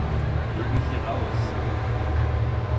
Holt mich hier raus!